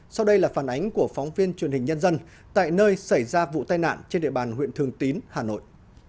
sau đây là phản ánh của phóng viên truyền hình nhân dân tại nơi xảy ra vụ tai nạn trên địa bàn huyện thường tín hà nội